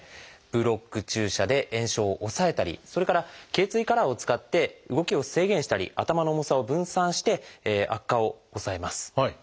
ブロック注射で炎症を抑えたりそれから頚椎カラーを使って動きを制限したり頭の重さを分散して悪化を抑えます。